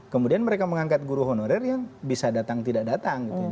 kemudian mereka mengangkat guru honorer yang bisa datang tidak datang